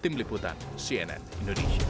tim liputan cnn indonesia